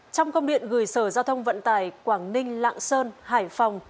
trong công điện gửi sở giao thông vận tải quảng ninh lạng sơn hải phòng